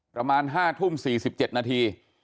ประมาณ๕ทุ่ม๔๗นาที